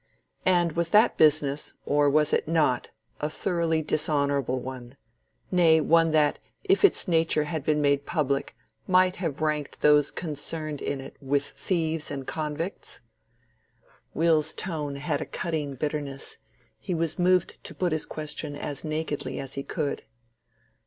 "And was that business—or was it not—a thoroughly dishonorable one—nay, one that, if its nature had been made public, might have ranked those concerned in it with thieves and convicts?" Will's tone had a cutting bitterness: he was moved to put his question as nakedly as he could.